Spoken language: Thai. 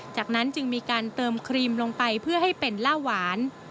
จากนั้นจึงมีการเติมครีมลงไปเพื่อให้เป็นล่าหวาน